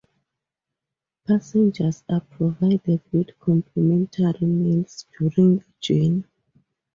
Passengers are provided with complimentary meals during the journey.